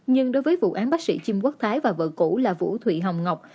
nhưng đối với vụ án bác sĩ chin quốc thái và vợ cũ là vũ thụy hồng ngọc